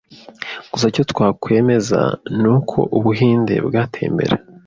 gusa icyo twakwemeza ni uko Ubuhinde bwateye imbere